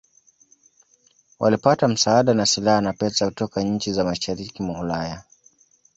Walipata msaada wa silaha na pesa kutoka nchi za mashariki mwa Ulaya